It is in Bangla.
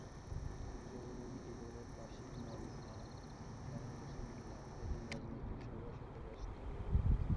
চৌরঙ্গী রোডের পাশে ময়দান সারাবছর মেলা এবং রাজনৈতিক সভার সাথে ব্যস্ত।